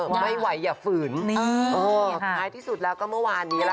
ไม่ไหวอย่าฝืนท้ายที่สุดแล้วก็เมื่อวานนี้ล่ะค่ะ